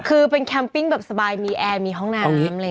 คือเป็นแคมปิ้งแบบสบายมีแอร์มีห้องน้ำ